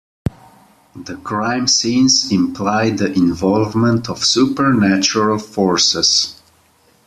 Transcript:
The crime scenes imply the involvement of supernatural forces.